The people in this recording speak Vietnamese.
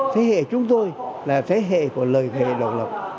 thế hệ chúng tôi là thế hệ của lời thề độc lập